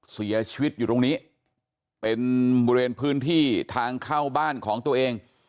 เสียชีวิตอยู่ตรงนี้เป็นบริเวณพื้นที่ทางเข้าบ้านของตัวเอง